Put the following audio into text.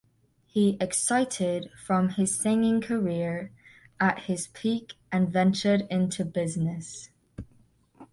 He exited from his singing career at his peak and ventured into business.